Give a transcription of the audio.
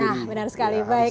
nah benar sekali baik